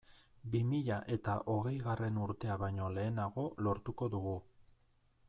Bi mila eta hogeigarren urtea baino lehenago lortuko dugu.